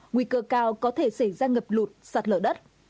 nguy cơ cao có thể xảy ra ngập lụt sạt lở đất